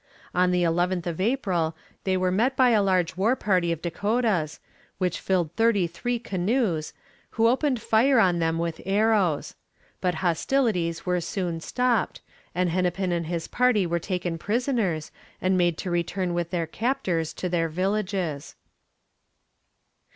On the 11th of April they were met by a large war party of Dakotas, which filled thirty three canoes, who opened fire on them with arrows; but hostilities were soon stopped, and Hennepin and his party were taken prisoners, and made to return with their captors to their villages.